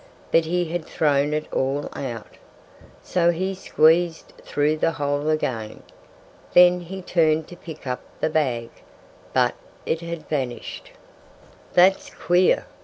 But he had thrown it all out. So he squeezed through the hole again. Then he turned to pick up the bag. But it had vanished. "That's queer!"